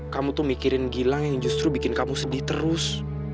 kamu tuh mikirin gilang yang justru bikin kamu sedih terus